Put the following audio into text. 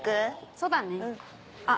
そうだねあっ